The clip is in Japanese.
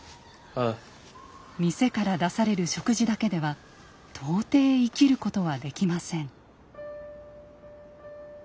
店から出される食事だけでは到底生きることはできません。